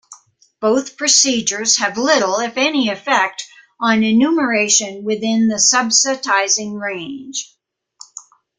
Both procedures have little, if any, effect on enumeration within the subitizing range.